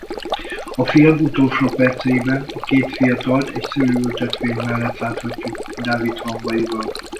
A film utolsó perceiben a két fiatalt egy szőlőültetvény mellett láthatjuk Dávid hamvaival.